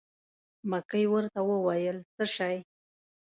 مکۍ ورته وویل: څه شی.